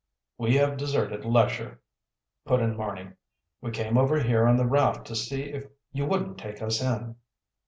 "We have deserted Lesher," put in Marny. "We came over here on the raft to see if you wouldn't take us in."